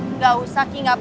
enggak upload terus